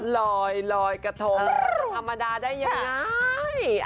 ลอยกระทงจะธรรมดาได้ยังไง